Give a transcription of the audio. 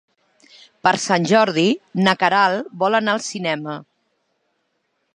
Per Sant Jordi na Queralt vol anar al cinema.